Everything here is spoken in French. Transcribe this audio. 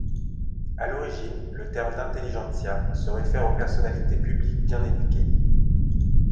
À l’origine, le terme d’intelligentsia se réfère aux personnalités publiques bien éduquées.